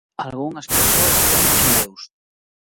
Algunhas persoas creen en Deus.